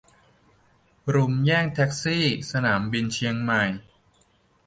รุมแย่งแท็กซี่ สนามบินเชียงใหม่